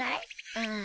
うん。